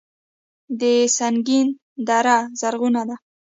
د سنګین دره زرغونه ده